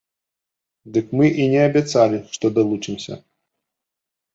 Дык мы і не абяцалі, што далучымся.